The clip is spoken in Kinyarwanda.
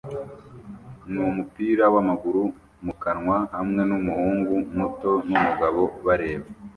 n'umupira w'amaguru mu kanwa hamwe n'umuhungu muto n'umugabo bareba